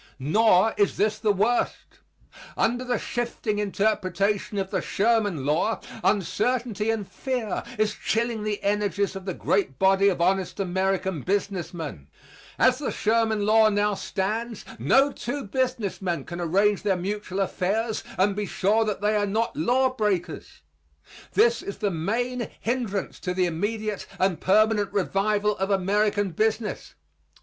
Nor is this the worst. Under the shifting interpretation of the Sherman law, uncertainty and fear is chilling the energies of the great body of honest American business men. As the Sherman law now stands, no two business men can arrange their mutual affairs and be sure that they are not law breakers. This is the main hindrance to the immediate and permanent revival of American business.